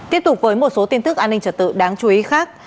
tiếp tục với một số tin tức an ninh trật tự đáng chú ý khác